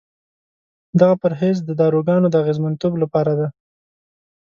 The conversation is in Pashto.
دغه پرهیز د داروګانو د اغېزمنتوب لپاره دی.